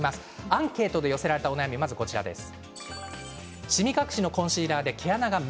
アンケートで寄せられたお悩みです。